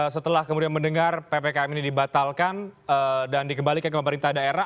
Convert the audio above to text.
setelah kemudian mendengar ppkm ini dibatalkan dan dikembalikan ke pemerintah daerah